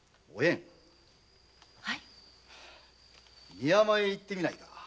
三山へ行ってみないか。